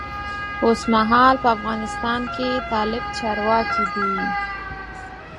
اوسمهال په افغانستان کې طالب چارواکی دی.